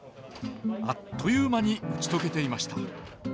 あっという間に打ち解けていました。